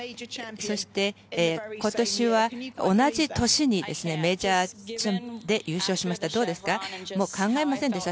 そして、今年は同じ年にメジャーで優勝しました考えられませんでした。